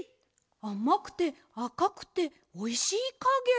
あまくてあかくておいしいかげ！